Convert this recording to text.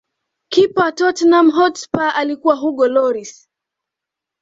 kipa wa tottenham hotspur alikuwa hugo loris